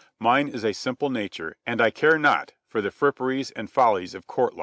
"Mine is a simple nature, and I care not for the gewgaws and shams of Court.